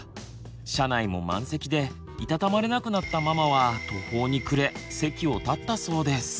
車内も満席でいたたまれなくなったママは途方に暮れ席を立ったそうです。